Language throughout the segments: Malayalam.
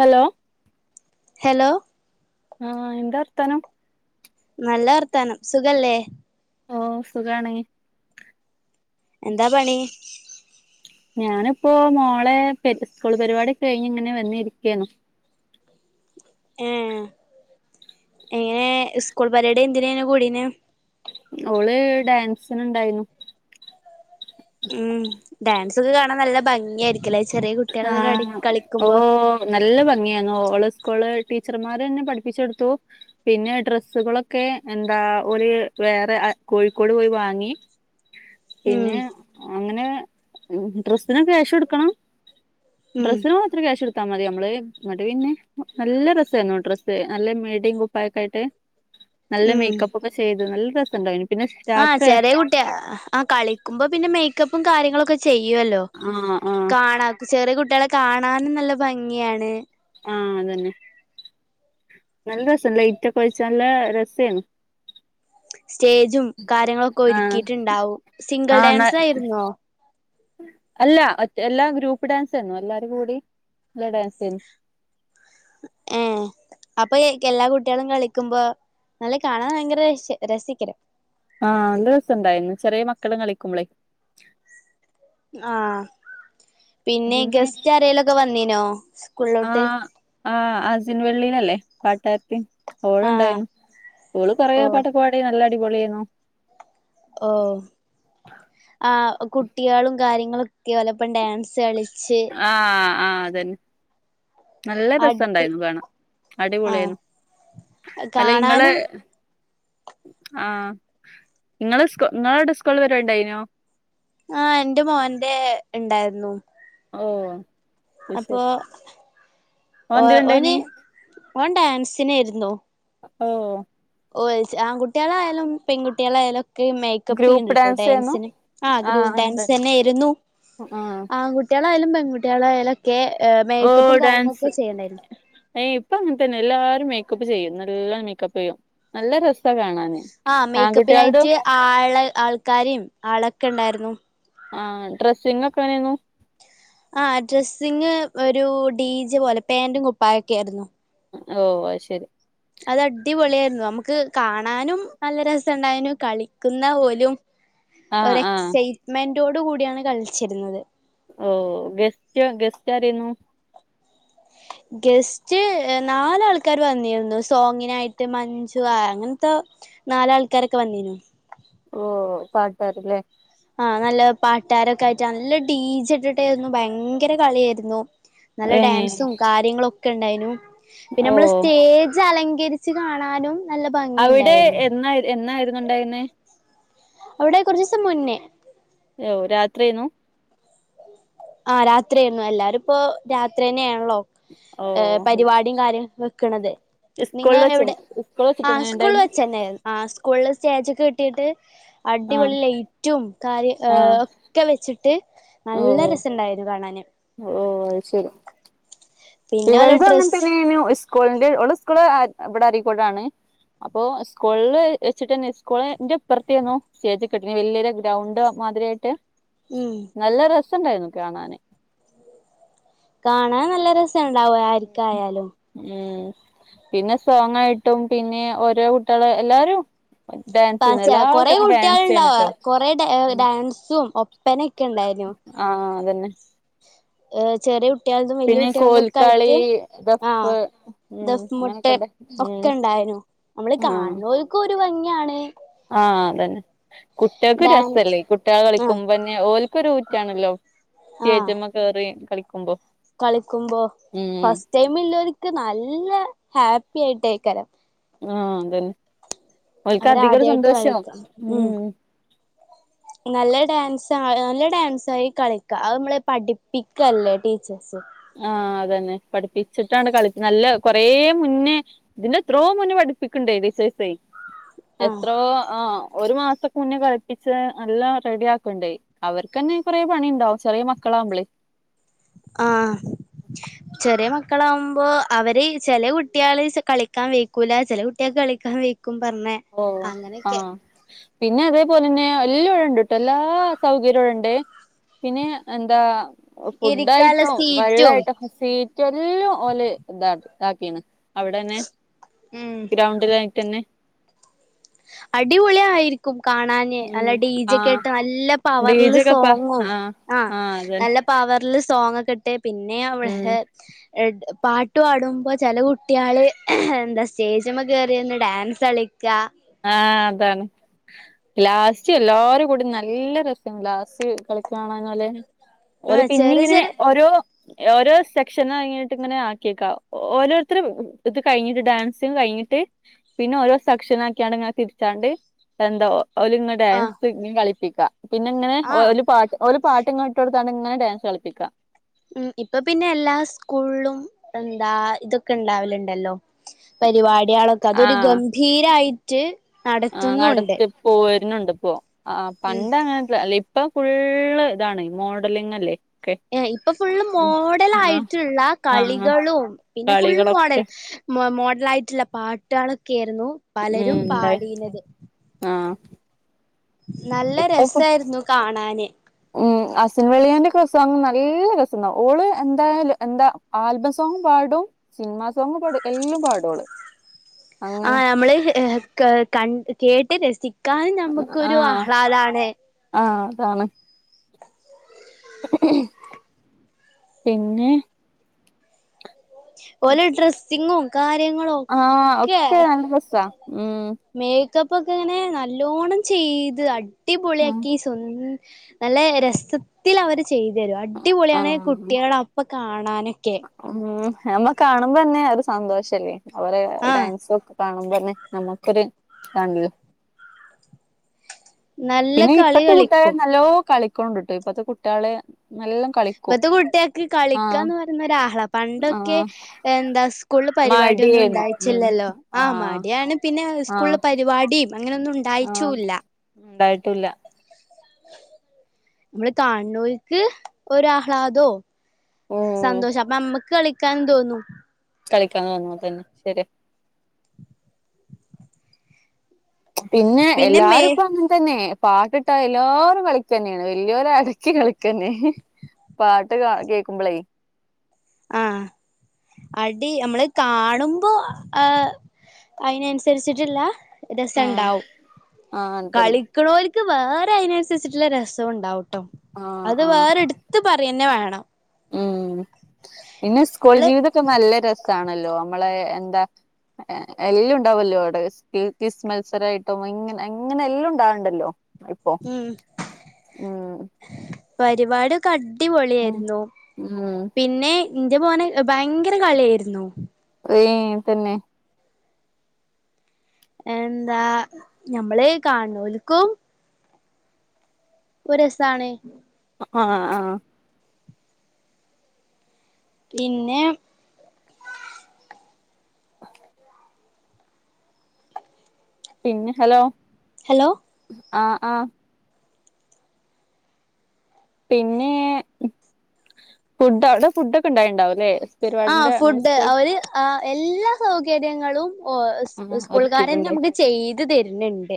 ഹലോ ഹലോ ആഹ് എന്താ വർത്താനം നല്ല വർത്താനം സുഖല്ലേ ഓഹ് സുഖാണ് എന്താ പണി ഞാനിപ്പോ മോളെ കേറ്റ്സ്കൂൾ പരിപാടി കഴിഞ്ഞ് ഇങ്ങനെ വന്നിരിക്കേണ്. ഏഹ് എങ്ങനെ സ്കൂൾ പരിപാടി എന്തിനെയ്ന്ന് കൂടിന് ഓള് ഡാൻസിന് ഇണ്ടായിന്ന് ഉം ഡാൻസൊക്കെ കാണാൻ നല്ല ഭംഗിയായിരിക്കല്ലേ ചെറിയ കുട്ടികളൊക്കെ ആഹ് ക ഓ കളിക്കുമ്പോ നല്ല ഭംഗിയാന്ന് ഓള് സ്കൂള് ടീച്ചർമാരേന്നെ പഠിപ്പിച്ചെടുത്തു പിന്നെ ഡ്രെസ്സുകളൊക്കെ എന്താ ഒരു വേറെ കോഴിക്കോട് പോയി വാങ്ങി ഉം പിന്നെ അങ്ങനെ ഡ്രസ്സിന് ക്യാഷ് കൊടുക്കണം ഉം ഡ്രസ്സിന് മാ ത്രം ക്യാശോടുത്തമതി നമ്മള്ന്നട്ട് പിന്നെനല്ല ഡ്രസായിരുന്നു ഡ്രസ്സ് നല്ല മീടിം കുപ്പായൊക്കായിട്ട് നല്ല ഉം മേക്കപ്പൊക്കെ ചെയ്ത് നല്ല രസണ്ടയിന് പിന്നെ ആഹ രാത്രി ചെറിയെ കുട്ടിയാ ആഹ കളിക്കുമ്പോ പിന്നെ മേക്കപ്പും കാര്യങ്ങളൊക്കെ ചെയ്യുവല്ലോ ആഹ് ആഹ് കാണാംചെറിയകുട്ടിളെകാണാനും നല്ലഭംഗിയാണ് ആഹ അതന്നെ നല്ലരസംലൈറ്റൊക്കെ ഒഴിച്ചാല് രസായിരുന്നു സ്റ്റേജുംകാര്യങ്ങളൊക്കെ ആഹ് ഒരുക്കിയിട്ടുണ്ടാവുംസിംഗിൾ ആഹ് ഡാൻസ്യിരുന്നോ? അല്ലഎല്ലാംഗ്രൂപ്പ്ഡാൻസായിരുന്നു എല്ലാവരുംകൂടിംഇളഡാൻസായിരുന്നു ഏഹ് അപ്പൊ ഏൽക്കേ എല്ലാ കുട്ടികളും കളിക്കുമ്പോ നല്ല കാണാൻ ഭയങ്കര രസരസയ്കാരം ആഹ നല്ല രസണ്ടായിന് ചെറിയ മക്കള് കളിക്കുമ്പോളെ ആഹ പിന്നെ ഗസ്റ്റ് ആരെേലൊക്കെ വന്നീനോ സ്കൂളിലോട്ട് ആഹ അസിൻവെള്ളീനല്ലേ പാട്ടെരത്തി ആഹ് ഓളുണ്ടായിരുന്നു ഓള് ഓ കൊറപട്ടോ ക്കെപാടി നല്ലടിപൊളിയായിരുന്നു ഓഹ് ആ കുട്ടികളും കാര്യങ്ങളൊക്കെലപ്പം ഡാൻസ് കളിച്ച് ആഹ് ആഹ് അതന്നെ അടി നല്ലരസുണ്ടായിരുന്നു കാണാൻ ആഹ് അടിപൊളിയായിരുന്നു കാണാനും ആഹ ഇങ്ങളെസ്‌കൂ ഇങ്ങളവിടെ സ്കൂളില്ണ്ടാനോ ആഹ എന്റെ മോന്റെണ്ടായിരുന്നു ഓഹ് അത് ശരി അപ്പൊ ഓന്തിലുണ്ടായിനി ഒഓന് ഓൻ ഡാൻസിനൊയിരുന്നു ഓഹ് ഓഹ്ച് ആൺകുട്ടികളായാലും പെൺകുട്ടികളായാലും ഇക്ക് മേക്കപ്പ് ചെയ്യ്ണ്ട് ഗ്രൂപ്പ് ട്ടോ ഡാൻസേന്നു ഡാൻസിന് ആഹ് ഗ്രുപ്പ് ഡാൻസ് ന്നെര് ന്നു ആഹ് ആൺകു കുട്ടികളായാലും പെൺകട്ടികളായാലും ഒക്കെ ഓ മേക്കപ്പും ഡാൻസ് കാര്യങ്ങളൊക്കെ ചെയ്യണ്ടായിരുന്നു ഏയ് ഇപ്പ അങ്ങനത്തന്നെ എല്ലാരും മേക്കപ്പ് ചെയ്യും നല്ല മേക്കപ്പ് ചെയ്യും നല്ല രസാ കാണാന് ആ ആൺകുട്ടിയാളതും മേക്കപ്പിനായിട്ട് ആള് ആൾക്കാരെയും ആളൊക്കെണ്ടായിരുന്നു ആഹ് ഡ്രസ്സിംഗ് ഒക്കെ എങ്ങനെന്നു ആഹ് ഡ്രസ്സിങ് ഒരു ഡീജെ പോലെ പാന്റും കുപ്പായൊക്കെ ആര്ന്നു ഓഹ് അയ്ശരി അത് അടിപൊളിയായിരുന്നു നമുക്ക് കാണാനും നല്ല രസണ്ടായിനു കളിക്കുന്ന ഓലും ആഹ് ഒര് ആഹ് എക്സൈറ്റ്മെന്റോട് കൂടിയാണ് കളിച്ചിരുന്നത് ഓഹ് ഗസ്റ്റ് ഗസ്റ്റ് ആരെന്നു [unintelligible] ഗസ്റ്റ് നാലാൾക്കാര് വന്നിരുന്നു സോങ്ങിനായിട്ട് മഞ്ജു ആഹ് അങ്ങനത്തെ നാലാൾക്കാരൊക്കെ വന്നീനു ഓഹ് പാട്ടാര് ല്ലേ ആഹ് നല്ല പാട്ടാരൊക്കെ ആയിട്ട് നല്ല ഡീജ ഇട്ടിട്ടായിരുന്നു ഭയങ്കര കളിയായിരുന്നു നല്ല ഏഹ് ഡാൻസും കാര്യങ്ങളോക്കെ ണ്ടായിനു പിന്നെ ഓ നമ്മള് സ്റ്റേജ് അലങ്കരിച്ച് കാണാനും നല്ല അവിടെ ഭംഗിയുണ്ടായിരുന്നു എന്നായി എന്നായിരുന്നുണ്ടായിരുന്നേ അവിടെ കുറച്ചോസം മുന്നേ ഏഹ് രാത്രിയായിന്നു ആഹ് രാത്രിയണു എല്ലാരും ഇപ്പോ രാത്രി തന്നെ ആണല്ലോ ഓ ഏഹ് പരിപാടിയും കാര്യം വെക്ക്ണത് സ്കൂളിൽ വെച്ച് നിങ്ങൾഎവിടെ സ്കൂളിൽ വെച്ചിട്ട് ആഹ് എങ്ങനെ സ്കൂൾ ഉണ്ടായിരുന്നു വെച്ചന്നായിരുന്നു ആ സ്കൂളിൾ സ്റ്റേജൊക്കെ കേട്ടീട്ട് ആഹ് അടിപൊളി ലൈറ്റും കാര്യം ആഹ് ഏഹ് ഒക്കെ വെച്ചിട്ട് നല്ല രസണ്ടായിന്നു കാണാന് ഓഹ് അത്ശരി പിന്നെ ഓലെ ഇവരുതും ഡ്രസ്സ് അങ്ങനതന്നെനു സ്കൂളിന്റെ ഇവള് സ്കൂള് ഇവിടെ അരീക്കോടാണ് അപ്പോ സ്കൂളിൽ വെച്ചിട്ട്ന്നെ സ്കൂളിന്റെ ഇപ്പറത്തെനു സ്റ്റേജ് കെട്ടീനെ വലിയൊരു ഗ്രൗണ്ട് [unintelligible] ഉം നല്ല രസണ്ടായിന്നു കാണാന് കാണാൻ നല്ല രസണ്ടാവും ആർക്കായാലും ഉംപിന്നെ സോങ്ങായിട്ടും പിന്നെ ഓരോ കുട്ടിയാളെ എല്ലാരും ഡാൻസ് ചെയ്യുന്നു പക്ഷേ എല്ലാ കൊറേ കുട്ടികൾക്കും കുട്ടിയാൾ ഡാൻസ് ണ്ടാ ചെയ്യുന്നുട്ടോ കൊറെ ഡാൻസും ഒപ്പനൊക്കെ ണ്ടായിന്നു ആ അതന്നെ ഏഹ് ചെറിയ കുട്ടിയാളതും വലിയ പിന്നെ കുട്ടിയാളതും ഒക്കെ കോൽക്കളി ആയിട്ട് ദഫ് ആഹ് ഉം ദഫ് മുട്ട് അങ്ങനൊക്കെണ്ട് ഉം ഒക്കെ ണ്ടായിനു നമ്മൾ ആഹ് കാണുന്നവർക്ക് ഒരു ഭംഗിയാണ് ആഹ് അതന്നെ കുട്ടിയാൾക്ക് ഡാൻസ് രസല്ലേ കുട്ടിയാള് ആഹ് കളിക്കുമ്പോന്നെ ഓൽക്ക് ഒരു ഊറ്റാണല്ലോ ആഹ് സ്റ്റേജ് മ്മേ കേറി കളിക്കുമ്പോ കളിക്കുമ്പോ ആഹ് ഫസ്റ്റ് ടൈമ് ള്ളോര്ക്ക് നല്ല ഹാപ്പി ആയിട്ടായിക്കാരം ആഹ് അതെന്നെ ഒൽക്ക് അധികോരു അവരാദ്യായിട്ട് സന്തോഷ കളിക്കാ ഉം മ്മ് നല്ല ഡാൻസ് ആഹ് നല്ല ഡാൻസ് ആയി കളിക്ക അത് നമ്മള് പഠിപ്പിക്കല്ലേ ടീച്ചേഴ്സ് ആ അതന്നെ പഠിപ്പിച്ചിട്ടാണ് കളിക്ക്ണെ നല്ല കൊറേ മുന്നേ ഇതിന്റെ എത്രോ മുന്ന പഠിപ്പിക്ക്ണ്ടേ ആഹ് എത്രോ ആഹ് ഒരു മാസം മുന്നെ കളിപ്പിച്ച് നല്ലോം റെഡിയാക്ണ്ടേ അവർക്കന്നെ കൊറേ പണി ണ്ടാവും ചെറിയ മക്കളാകുമ്പളെ ആഹ് ചെറിയ മ മക്കളാകുമ്പോ അവര് ചെല കുട്ടിയാള് കളിക്കാൻ വെയ്ക്കൂല ചെല കുട്ടികൾക്ക് കളിക്കാൻ വെയ്ക്കും പറഞ്ഞെ ഓഹ് ആ പിന്നെ അതേപോലെന്നെ എല്ല ഇവിടെ ഉണ്ട്ട്ടോ, എല്ലാ സൗകര്യവും ഉണ്ട്. പിന്നെ എന്താ? ഇരിക്കാള്ള ഫുഡായിട്ടും സീറ്റും വെള്ളായിട്ടൊക്കെ ഫ്രീ... എല്ലാം ഓല് ഇത ഇതാക്കിക്ണ്. അവിടെന്നെ, ഉം ഗ്രൗണ്ടിലായിട്ടെന്നെ. അടിപൊളി ആയിരിക്കും കാണാൻ. ഉം നല്ല ഡീ ജെ കെ ആഹ് ഇട്ട്, നല്ല പവർ ഡീജൊക്കെപ്പാ സോങ്ങും. ആഹ് ആ, ആഹ് അതന്നെ നല്ല... പവർല് സോങ്ങൊക്കെ ഇട്ട്, പിന്നെ ഉം അവിടെ... പാട്ട് പാടുമ്പോ ചെല കുട്ടികള് എന്താ സ്റ്റേജ്മ്മ കയറിന്ന് ഡാൻസ് കളിക്കാ... ആഹ്, അതാണ്. ലാസ്റ്റ് എല്ലാരും കൂടി നല്ല രസാണ്. ലാസ്റ്റ്... [unintelligible] ഓലെ ആഹ് ചെറിയ പിന്നിങ്ങനെ ചെറിയ ഓരോ... ഓരോ സെക്ഷന് കഴിഞ്ഞിട്ട് ഇങ്ങനെ ആക്കിയേക്കാം. ഓരോരുത്തരും ഇത് കഴിഞ്ഞിട്ട് ഡാൻസ്... കഴിഞ്ഞിട്ട്, പിന്നെ ഓരോ സക്ഷനാ [unintelligible] എന്തോ? ഓലങ്ങെ ആഹ് ഡാൻസ് ഇഞ്ഞും കളിപ്പിക്കാ. പിന്നെ ഇങ്ങനെ ആഹ് ഓല് പാട്ട് പാട്ട്ങ്ങ ഇട്ട് കൊടുത്താണ്ട് ഇങ്ങനെ ഡാൻസ് കളിപ്പിക്കാം. ഉം, ഇപ്പൊ പിന്നെ എല്ലാ സ്കൂളിലും എന്താ ഇതൊക്കെ ഇണ്ടാവലുണ്ടല്ലോ. പരിപാടികളൊക്കെ അതൊരു ഗംഭീരായി... ആ നടത്തി പോരുന്നുണ്ട് ഇപ്പൊ. ആ, ഉം പണ്ട് അങ്ങന അല്ല. ഇപ്പൊ ഫുള്ള് ഇതാണ് മോഡലിംഗ് അല്ലേ? ഒക്കെ ഇപ്പൊ ഫുള്ള് മോഡൽ ആഹ് ആയിട്ടുള്ള ആഹ് കളികളും, പിന്നെ ഫുൾ മോഡൽ. കളികളൊക്കെ മൊ മോഡലായിട്ടുള്ള പാട്ട്കളൊക്കെ ആയിരുന്നു. ഉം, പലരും ന്തായി? പാടീനത് ആഹ് നല്ല ഇപ്പൊ രസായിരുന്നു കാണാന്. ഉം അസൻ വെളിയന്റെ ക്കെ സോങ്ങ് നല്ല രസണ്ടാവും. ഓള് എന്തായാലും എന്താ ആൽബം സോങ്ങും പാടും. സിനിമാ സോങ്ങും പാടും എല്ലാം പാടോള്. ആ, അങ്ങനെ നമ്മള് ഹെ കെ കൻ കേട്ട് രസി കാൻ നമ്മുക്കൊരു ആഹ്ലാദാണ്. ആ, അതാണ്. പിന്നെ? ഓല് ഡ്രസ്സിങ്ങും കാര്യങ്ങളും ആഹ് ഒക്കെ. നല്ല രസാ ഉം മേക്കപ്പ് ഒക്കെ ഇങ്ങനെ നല്ലോണ്ണം ചെയ്ത് അടിപൊളിയാക്കി. ഉം, നല്ല രസത്തില് അവര് ചെയ്തു തരും. അടിപൊളിയാണ് ആഹ് കുട്ടികള ഇപ്പൊ കാണാനൊക്കെ... ഉം, നമ്മ കാണുമ്പോ തന്നെ ഒരു സന്തോഷല്ലേ? അവരെ ആഹ് ഡാൻസ് ഒക്കെ? കാണുമ്പോന്നെ, നമ്മുക്കൊരു ഇതാണല്ലോ. നല്ല പിന്നെ കളി ഇപ്പത്തെ കുട്ടികൾ കളിക്കും നല്ലോ കളിക്കൊണുണ്ട്ട്ടൊ, ഇപ്പത്തെ കുട്ടികളെ നല്ലം... ഇപ്പത്തെ കുട്ടികൾക്ക് കളിക്കാന്ന് പറയുന്ന ഒരാഹ്ള. പണ്ടൊക്കെ ആഹ് എന്താ? സ് സ്കൂളില് പരിപാടിയൊന്നും മടിയായിരുന്നു ഉം ഉണ്ടായിച്ചില്ലല്ലോ? ആ ആഹ് മടിയാണ്. പിന്നെ സ്കൂളിൽ പരിപാടിം അങ്ങനൊന്നും ഉ ആഹ, ഉണ്ടായിട്ടുല്ല. നമ്മള് കാണുനോയ്ക്ക് ഒരാഹ്ലാദോ? ഉം സന്തോഷം. അപ്പൊ മ്മക്ക് കളിക്കാൻ തോന്നും. കളിക്കണോന്ന്‌ തോന്നും, അതെന്നെ ശരിയ. പിന്നെ എല്ലാരും ഇപ്പ അങ്ങ് തന്നെ പാട്ടിട്ടാ എല്ലാവരും കളിക്ക ന്നെണ്. വല്ല്യോര് അടക്കി കളിക്കന്നെ. പാട്ട് കേൾക്കുമ്പോളേ? ആഹ് അടി, അമ്മള് കാണുമ്പോ ആ അതിനനുസരിച്ചിട്ടിള്ള... ആഹ് രസംണ്ടാവും. ആഹ് അതന്നെ കളി ക്ക്ണോർക്ക് വേറെ അതിനനുസരിച്ചിട്ടുള്ള രസം ഉണ്ടാവട്ടോ. ആഹ് അത് ആഹ് വേറെടു ത്ത് പറയന്നെ വേണം. ഉം, പിന്നെ സ്കൂൾ സ്കൂള് ജീവിതൊക്കെ നല്ല രസാണല്ലോ? നമ്മളെ എന്താ? എല്ലാം ഉണ്ടാവല്ലോ അവിടെ കെ പി എസ് മത്സരായിട്ടും ഇങ്ങനെ ഇങ്ങനെ എല്ലാം ഉണ്ടാവലുണ്ടല്ലോ ഇപ്പൊ ഉം ഉം പരിപാടിയൊക്കെ ഉം അടിപൊളിയായിരുന്നു ഉം പിന്നെ ഇന്റെ മോന് ഭയങ്കര കളിയായിരുന്നു ഏഹ് തന്നെ എന്താ ഞമ്മളെ കാണണോലുക്കും ഒരു രസാണ് ആഹ് ആഹ് പിന്നെ പിന്നെ ഹലോ ഹലോ ആഹ് ആഹ് പിന്നേ ഫുഡ്, അവ്ടെ ഫുഡൊക്കെ ഉണ്ടായിണ്ടാവുല്ലേ. ആഹ് ഫുഡ് അവര് ആഹ് എല്ലാ സൗകര്യങ്ങളും ഓഹ് സ് ആഹ് സ്കൂൾകാരന്നെ ഒരുക്കിയിട്ടുണ്ടായി നമ്ക്ക് ചെയ്ത് തെര്ന്ണ്ട്.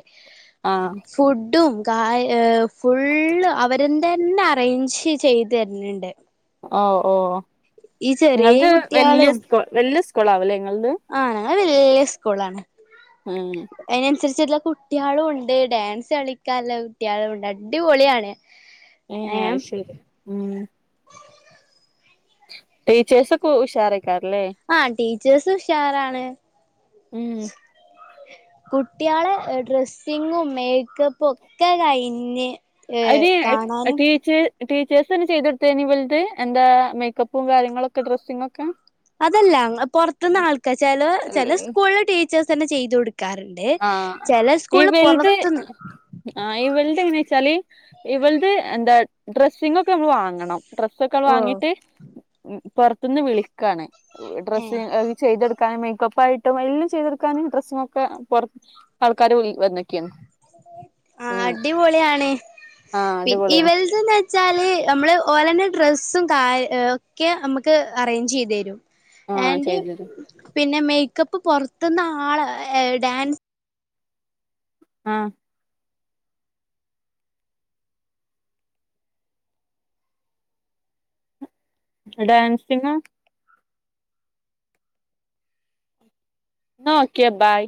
ആഹ് ഫുഡും കാ ഏഹ് ഫുള്ള് അവരുംന്തെന്നെ അറേഞ്ച് ചെയ്ത് തെര്ന്ണ്ട്. ഓഹ് ഓഹ് ചെറിയ ഇങ്ങൾത് വല്യ സ്കൂൾ, വല്യ സ്കൂളാവുല്ലേ ഇങ്ങൾത്? ആഹ് ഞങ്ങളെ വല്യ സ്കൂളാണ്. ഉം അതിനൻസരിച്ട്ട്ള്ള കുട്ട്യേളുണ്ട് ഡാൻസ് കളിക്കാൻല്ലെ കുട്ട്യാളൂണ്ട് അടിപൊളിയാണ്. ഏഹ് ഏ അത് ശരി ഉം ടീച്ചേഴ്‌സൊക്കെ ഉഷാറേയ്ക്കാരല്ലേ? ആഹ് ടീച്ചേഴ്സ് ഉഷാറാണ്. ഉം കുട്ട്യാള് ഡ്രെസ്സിങ്ങും മേക്കപ്പും ഒക്കെ കഴിഞ്ഞ്. ഏ അയ്ന് കാണാനും ടീച്ച് ടീച്ചേഴ്സെന്നെ ചെയ്തൊട്ത്തേനി ഇവൽത് എന്താ മേക്കപ്പും കാര്യങ്ങളൊക്കെ ഡ്രസ്സിങ്ങൊക്കെ? അതല്ല ങ്ങ പൊർത്ത്ന്ന് ആൾക്കാ ചെലാ ചെല സ്കൂളിൽ ടീച്ചേഴ്സെന്നെ ചെയ്തു കൊടുക്കാറ് ണ്ട്. ചെല സ്കൂൾല് പൊറത്ത്ന്ന് ആഹ് ഇവൽത് എങ്ങനാ വെച്ചാല് ഇവൾത് എന്താ ഡ്രെസ്സിങ്ങൊക്കെ നമ്മൾ വാങ്ങണം. ഡ്രസ്സൊക്കെ ഓ വാങ്ങീട്ട് പൊർത്ത്ന്ന് വിളിക്കാണ് ഏ ഡ്രസ്സിംഗ് അഹ് ചെയ്തൊടു ക്കാനും മേക്കപ്പ് ആയിട്ടും എല്ലും ചെയ്തൊടുക്കാന് ഡ്രസ്സിങ്ങൊക്കെ പൊർ ആൾക്കാർ വിളി വന്നക്കേന്നു. ആഹ് അടിപൊളിയാണ് ആഹ് പി അടിപൊളിയാണ് ഇവൽത് ന്ന് വെ ച്ചാല് നമ്മള് ഓലെന്നെ ഡ്രസ്സും കാ ഒക്കെ നമുക്ക് അറേഞ്ച് ചെയ്തെരും. ആഹ് ആന്റ് ചെയ്തു തരും പിന്നെ മേക്കപ്പ് പൊറത്ത്ന്ന് ആളെ എ ഡാൻസ് ആഹ് ഡാൻസിങ്ങോ? ന്നാ ഓക്കെ ബൈ.